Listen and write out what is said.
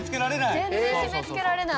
全然締めつけられない。